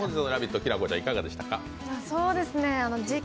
きらこちゃん、いかがでしたか？